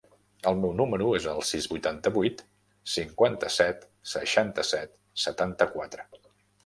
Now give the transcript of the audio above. El meu número es el sis, vuitanta-vuit, cinquanta-set, seixanta-set, setanta-quatre.